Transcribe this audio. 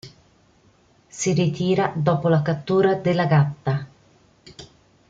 Si ritira dopo la cattura de la Gatta.